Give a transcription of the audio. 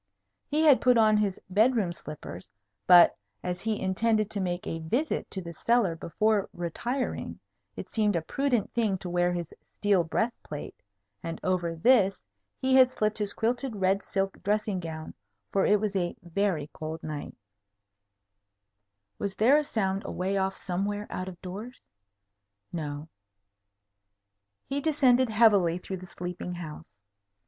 He had put on his bed room slippers; but, as he intended to make a visit to the cellar before retiring, it seemed a prudent thing to wear his steel breast plate; and over this he had slipped his quilted red silk dressing gown, for it was a very cold night. [Illustration: GEOFFREY GOETH TO MEET THE DRAGON] Was there a sound away off somewhere out of doors? No. He descended heavily through the sleeping house.